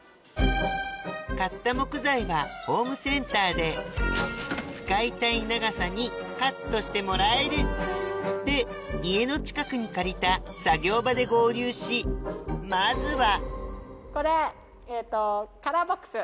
買った木材はホームセンターで使いたい長さにカットしてもらえるで家の近くに借りた作業場で合流しまずはこれカラーボックス。